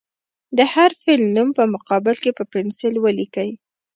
د هر فعل نوم په مقابل کې په پنسل ولیکئ.